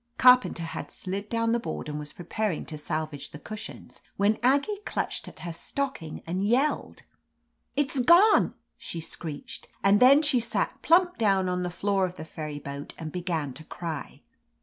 Carpenter had slid down the board and was preparing to salvage the cushions when Aggie clutched at her stocking and yelled. "It's gone !" she screeched, and then she sat plump down on the floor of the ferry boat and began to cry.